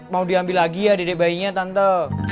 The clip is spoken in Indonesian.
mau diambil lagi ya dedek bayinya tante